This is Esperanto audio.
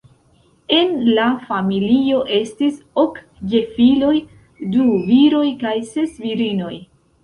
En la familio estis ok gefiloj, du viroj kaj ses virinoj.